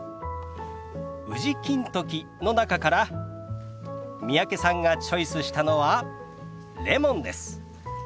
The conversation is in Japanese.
宇治金時の中から三宅さんがチョイスしたのはレモンです。